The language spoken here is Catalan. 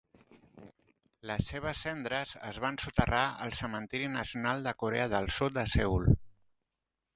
Les seves cendres es van soterrar al Cementeri Nacional de Corea del Sud a Seül.